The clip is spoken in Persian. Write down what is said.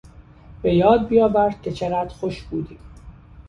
به یاد بیاور که چقدر خوش بودیم.